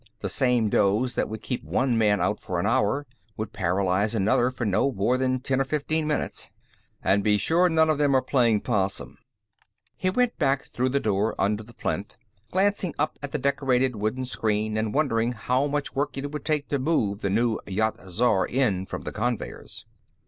The same dose that would keep one man out for an hour would paralyze another for no more than ten or fifteen minutes. "And be sure none of them are playing 'possum." He went back through the door under the plinth, glancing up at the decorated wooden screen and wondering how much work it would take to move the new Yat Zar in from the conveyers.